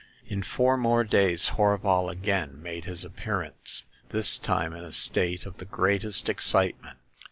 In four more days Horval again made his appearance, this time in a state of the greatest excitement.